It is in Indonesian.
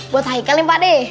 buat haikel ya pak de